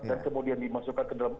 dan kemudian dimasukkan ke dalam